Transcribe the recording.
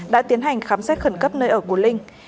đã tiến hành khám xét khẩn cấp nơi ở của linh